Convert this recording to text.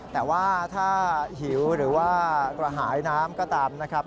แต่ว่าถ้าหิวหรือว่ากระหายน้ำก็ตามนะครับ